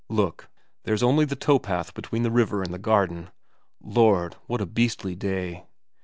Look there's only the towpath between the river and the garden. Lord, what a beastly day.